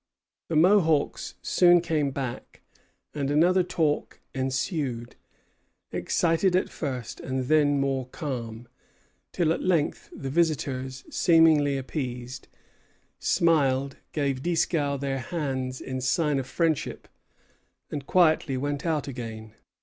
The Mohawks soon came back, and another talk ensued, excited at first, and then more calm; till at length the visitors, seemingly appeased, smiled, gave Dieskau their hands in sign of friendship, and quietly went out again.